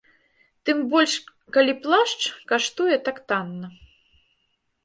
Тым больш калі плашч каштуе так танна.